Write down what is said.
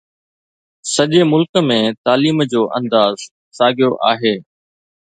سڄي ملڪ ۾ تعليم جو انداز ساڳيو آهي.